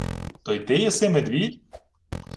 — То й ти єси медвідь?!